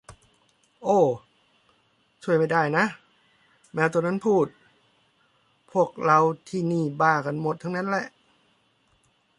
โอ้ ช่วยไม่ได้นะ แมวตัวนั้นพูด พวกเราที่นี่บ้ากันหมดนั่นแหละ